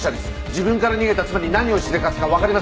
自分から逃げた妻に何をしでかすかわかりません！